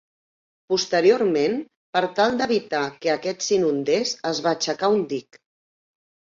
Posteriorment, per tal d'evitar que aquest s'inundés es va aixecar un dic.